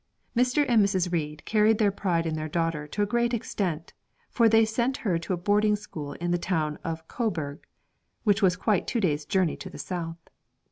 Mr. and Mrs. Reid carried their pride in their daughter to a great extent, for they sent her to a boarding school in the town of Coburgh, which was quite two days' journey to the south.